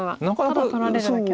ただ取られるだけの。